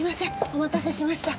お待たせしました。